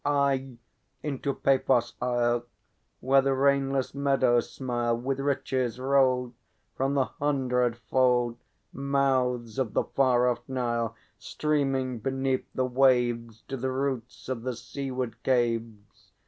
Aye, unto Paphos' isle, Where the rainless meadows smile With riches rolled From the hundred fold Mouths of the far off Nile, Streaming beneath the waves To the roots of the seaward caves.